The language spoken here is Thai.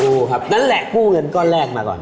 รู้ครับนั่นแหละกู้เงินก้อนแรกมาก่อน